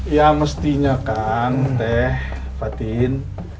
ya mestinya kan teh batin